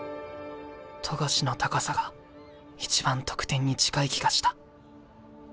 冨樫の高さが一番得点に近い気がした。